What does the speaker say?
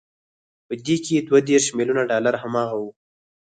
په دې کې دوه دېرش ميليونه ډالر هماغه وو.